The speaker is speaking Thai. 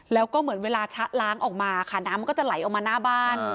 แล้วก็เหมือนเวลาชะล้างออกมาค่ะน้ำมันก็จะไหลออกมาหน้าบ้าน